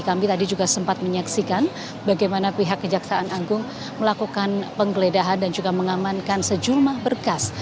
kami tadi juga sempat menyaksikan bagaimana pihak kejaksaan agung melakukan penggeledahan dan juga mengamankan sejumlah berkas